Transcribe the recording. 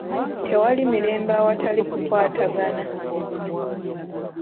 Tewali mirembe awatali kukwatagana.